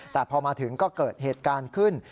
แต่พอมาถึงก็เกิดเหตุการณ์ขึ้น